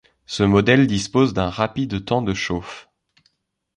Ce modèle dispose d’un rapide temps de chauffe.